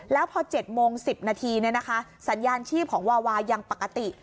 แล้วพอ๗โมง๑๐นาทีสัญญาณชีพของวาวายังปกติ